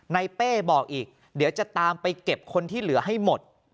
เป้บอกอีกเดี๋ยวจะตามไปเก็บคนที่เหลือให้หมด